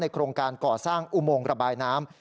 โครงการก่อสร้างอุโมงระบายน้ำ